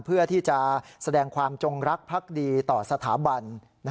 เพื่อที่จะแสดงความจงรักพรรคดีต่อสถาบัน